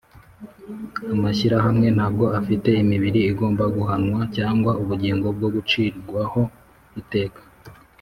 amashyirahamwe ntabwo afite imibiri igomba guhanwa cyangwa ubugingo bwo gucirwaho iteka